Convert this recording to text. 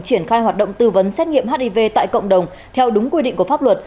triển khai hoạt động tư vấn xét nghiệm hiv tại cộng đồng theo đúng quy định của pháp luật